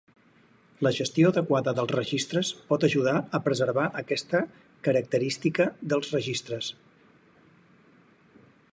La gestió adequada dels registres pot ajudar a preservar aquesta característica dels registres.